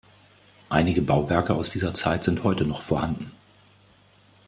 Einige Bauwerke aus dieser Zeit sind heute noch vorhanden.